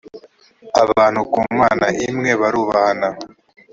abantu ku mana imwe barubahana